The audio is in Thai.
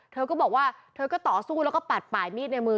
เธอก็บอกว่าเธอก็ต่อสู้แล้วก็ปัดป่ายมีดในมือ